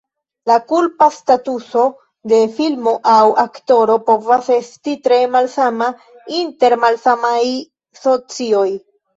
La kulta statuso de filmo aŭ aktoro povas esti tre malsama inter malsamaj socioj.